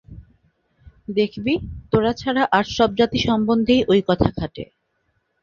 দেখবি, তোরা ছাড়া আর সব জাতি সম্বন্ধেই ঐ কথা খাটে।